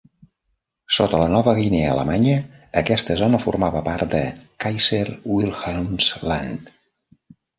Sota la Nova Guinea Alemanya aquesta zona formava part de Kaiser-Wilhelmsland.